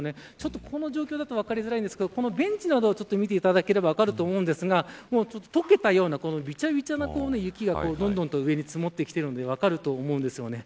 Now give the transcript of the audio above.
この状況だと分かりづらいですがベンチなどを見ていくと分かるんですが解けたようなびちゃびちゃな雪がどんどん上に積もってきてるのが分かると思います。